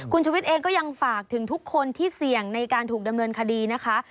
คุณชุวิตเองก็ยังฝากถึงทุกคนที่เสี่ยงในการถูกดำเนินคดีนะคะ